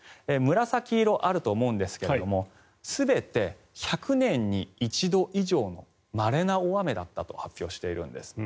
紫色があると思うんですが全て１００年に一度以上のまれな大雨だったと発表しているんです。